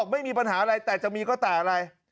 ไม่มีปัญหาอะไรแต่จะมีก็แต่อะไร